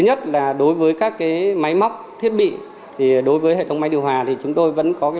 nhất là đối với các máy móc thiết bị thì đối với hệ thống máy điều hòa thì chúng tôi vẫn có